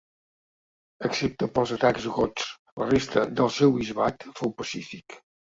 Excepte pels atacs gots la resta del seu bisbat fou pacífic.